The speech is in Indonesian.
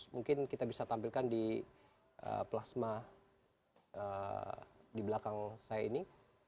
mungkin kita bisa tampilkan di plasma di belakang saya ini